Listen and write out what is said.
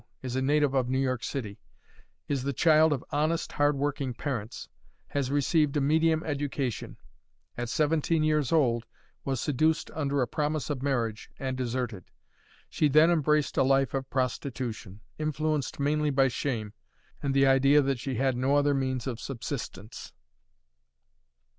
is a native of New York City; is the child of honest, hard working parents; has received a medium education; at seventeen years old was seduced under a promise of marriage, and deserted. She then embraced a life of prostitution, influenced mainly by shame, and the idea that she had no other means of subsistence.